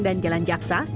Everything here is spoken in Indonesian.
dan jalan jaksa